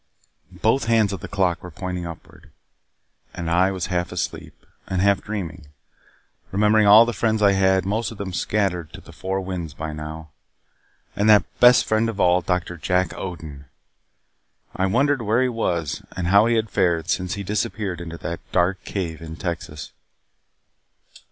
Both hands of the clock were pointing upward. And I was half asleep, and half dreaming. Remembering all the friends I had most of them scattered to the four winds by now. And that best friend of all, Doctor Jack Odin! I wondered where he was and how he had fared since he disappeared into that dark cave in Texas.